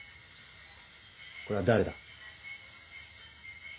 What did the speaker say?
これは誰だ？